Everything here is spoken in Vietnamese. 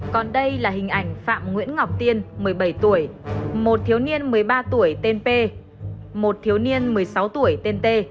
còn đây là hình ảnh phạm nguyễn ngọc tiên một mươi bảy tuổi một thiếu niên một mươi ba tuổi tên p một thiếu niên một mươi sáu tuổi tên t